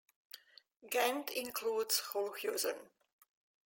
Gendt includes Hulhuizen.